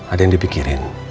ada yang dipikirin